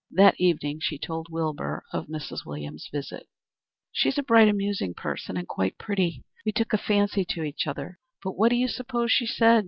That evening she told Wilbur of Mrs. Williams's visit. "She's a bright, amusing person, and quite pretty. We took a fancy to each other. But what do you suppose she said?